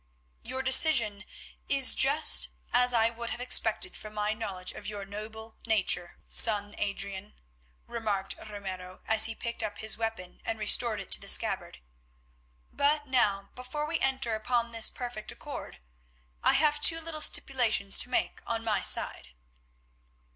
"Your decision is just such as I would have expected from my knowledge of your noble nature, son Adrian," remarked Ramiro as he picked up his weapon and restored it to the scabbard. "But now, before we enter upon this perfect accord, I have two little stipulations to make on my side."